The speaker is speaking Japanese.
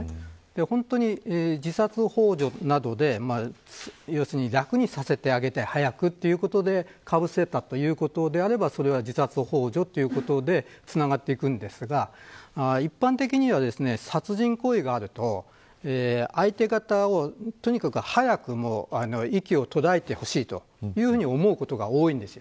本当に、自殺ほう助などで早く楽にさせてあげたいということでかぶせたというのであればそれは自殺ほう助ということでつながりますが一般的には殺人行為があると相手方を、とにかく早く息が途絶えてほしいと思うことが多いんです。